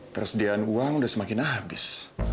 persediaan uang sudah semakin habis